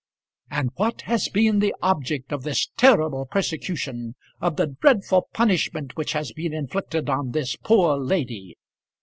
"And what has been the object of this terrible persecution, of the dreadful punishment which has been inflicted on this poor lady?